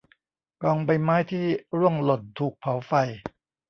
กองใบไม้ที่ร่วงหล่นถูกเผาไฟ